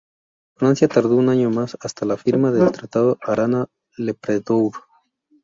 Francia tardó un año más, hasta la firma del Tratado Arana-Lepredour.